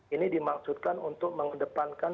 ini dimaksudkan untuk mengedepankan